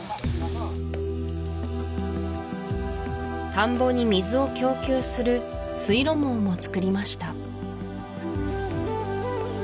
たんぼに水を供給する水路網もつくりました